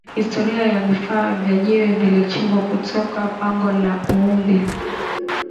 Historia ya vifaa vya jiwe vilichimbwa kutoka Pango la Uumbi